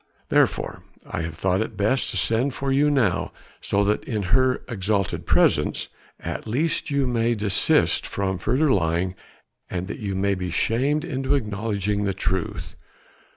Therefore I have thought it best to send for you now so that in her exalted presence at least you may desist from further lying and that you may be shamed into acknowledging the truth.